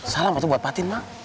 salah waktu buat fatin bang